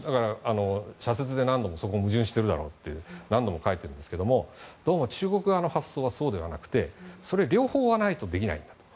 社説で何度もそこは矛盾してるだろうと書いているんですがどうも中国側の発想はそうではなくて、それは両方ないとできないんだと。